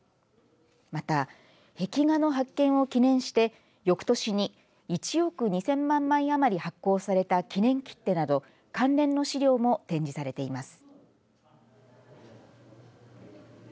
また、壁画の発見を記念してよくとしに、１億２０００万枚余り発行された記念切手など関連の資料も展示されています。